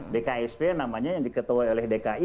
bksp namanya yang diketuai oleh dki